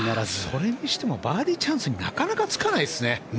それにしてもバーディーチャンスになかなかつかないですね。